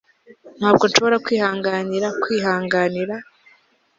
ntabwo nshobora kwihanganira kwihanganira